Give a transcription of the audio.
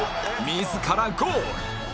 自らゴール！